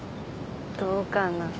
どうかな？